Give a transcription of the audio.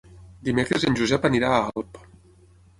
Dimecres en Josep anirà a Alp.